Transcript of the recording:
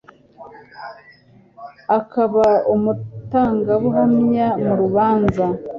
akaba umutangabuhamya mu rubanza